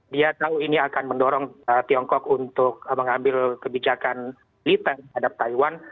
dia tahu ini akan mendorong tiongkok untuk mengambil kebijakan blitar terhadap taiwan